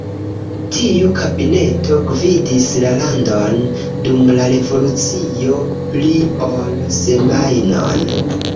Tiu kabineto gvidis la landon dum la revolucio pli ol semajnon.